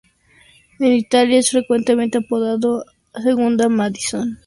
En Italia, es frecuentemente apodado "Il Madison".